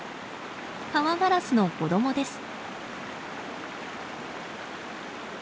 カワガラスの子供です。